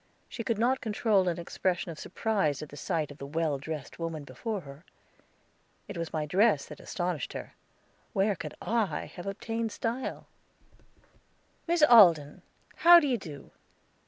She could not control an expression of surprise at the sight of the well dressed woman before her. It was my dress that astonished her. Where could I have obtained style? "Miss Alden, how do you do?